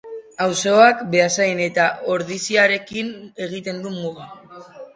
Auzoak Beasain eta Ordiziarekin egiten du muga.